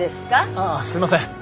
ああすいません。